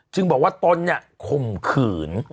จึงบอกว่าต้นคุมขื่น